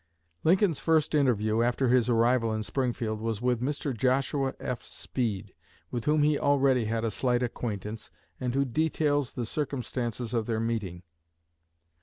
Lincoln's first interview, after his arrival in Springfield, was with Mr. Joshua F. Speed, with whom he already had a slight acquaintance, and who details the circumstances of their meeting.